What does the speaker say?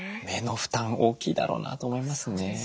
目の負担大きいだろうなと思いますね。